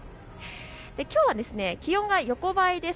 きょうは気温が横ばいです。